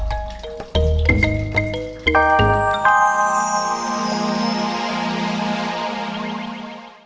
tapi kata idoi bersih kok mak begini juga